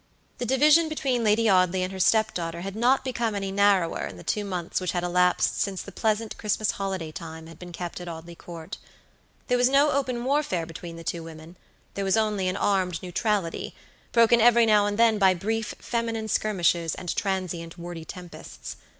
The division between Lady Audley and her step daughter had not become any narrower in the two months which had elapsed since the pleasant Christmas holiday time had been kept at Audley Court. There was no open warfare between the two women; there was only an armed neutrality, broken every now and then by brief feminine skirmishes and transient wordy tempests.